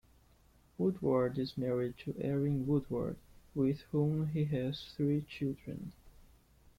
Woodward is married to Erin Woodward, with whom he has three children.